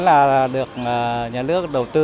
là được nhà nước đầu tư